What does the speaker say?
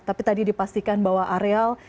tapi tadi dipastikan bahwa areal